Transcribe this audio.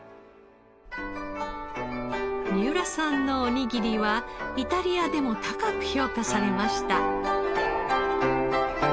三浦さんのおにぎりはイタリアでも高く評価されました。